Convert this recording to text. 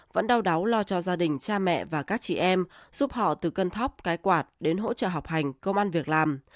vẫn đau đáu lo cho gia đình cha mẹ và các chị em giúp họ từ cân thóc cái quạt đến hỗ trợ học hành công an việc làm